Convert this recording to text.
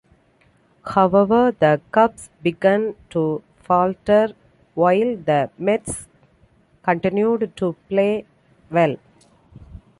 However, the Cubs began to falter while the Mets continued to play well.